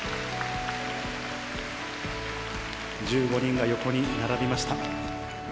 １５人が横に並びました。